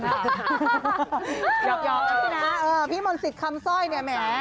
ยอมนะพี่นะพี่มณศิษฐ์คำสร้อยเนี่ยแหม